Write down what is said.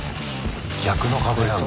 逆の風なんだ。